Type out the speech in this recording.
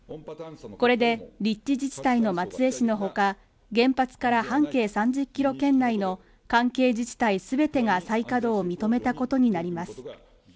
これで立地自治体の松江市のほか原発から半径３０キロ圏内の関係自治体すべてが再稼働を認めたことになります